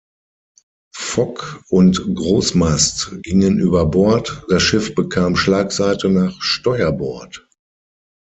Fock- und Großmast gingen über Bord, das Schiff bekam Schlagseite nach Steuerbord.